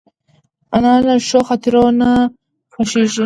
انا له ښو خاطرو نه خوښېږي